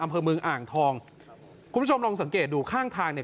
อำเภอเมืองอ่างทองคุณผู้ชมลองสังเกตดูข้างทางเนี่ย